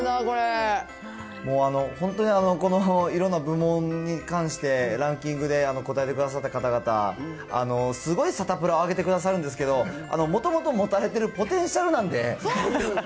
もうあの、本当にいろんな部門に関して、ランキングで答えてくださった方々、すごいサタプラを上げてくださるんですけど、もともと持たれてるポテンシャルなんで。